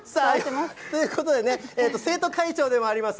ということでね、生徒会長でもあります